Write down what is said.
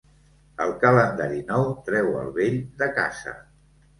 El calendari nou treu el vell de casa.